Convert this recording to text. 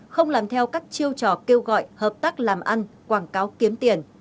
không làm theo các chiêu trò kêu gọi hợp tác làm ăn quảng cáo kiếm tiền